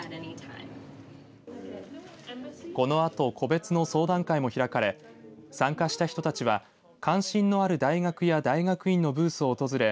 このあと個別の相談会も開かれ参加した人たちは関心のある大学や大学院のブースを訪れ